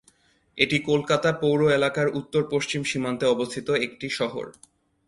এটি কলকাতা পৌর এলাকার উত্তর-পশ্চিম সীমান্তে অবস্থিত একটি শহর।